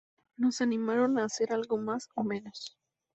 Nos animaron a hacer algo más o menos.